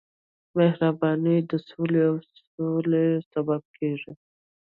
مهرباني د سولې او سولې سبب کېږي.